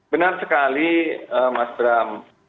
benar sekali mas bram